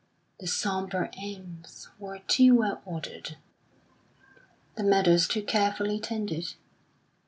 The sombre elms were too well ordered, the meadows too carefully tended.